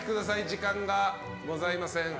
時間がございません。